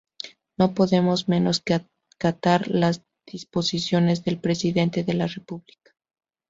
No podemos menos que acatar las disposiciones del Presidente de la República.